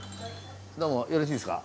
どうもよろしいですか？